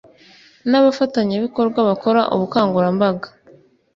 N abafatanyabikorwa bakora ubukangurambaga